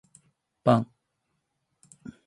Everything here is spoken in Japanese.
パン